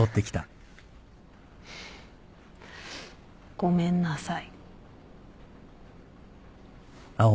ごめんなさい。